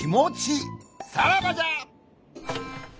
さらばじゃ！